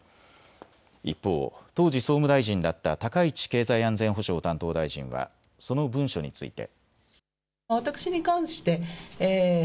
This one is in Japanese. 一方、当時総務大臣だった高市経済安全保障担当大臣はその文書について。